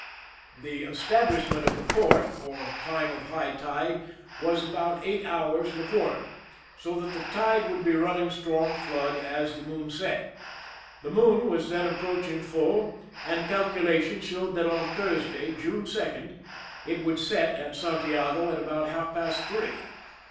The " establishment of the port," or time of high tide, was about eight hours and a quarter, so that the tide would be run ning strong flood as the moon set. The moon was then approaching full, and calculations showed that on Thursday, June 2, it would set at. Santiago at about half past three.